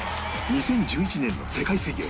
２０１１年の世界水泳